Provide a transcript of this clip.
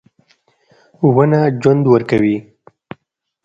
• ونه ژوند ورکوي.